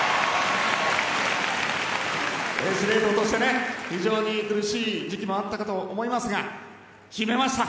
司令塔として非常に苦しい時期もあったかと思いますが決めました。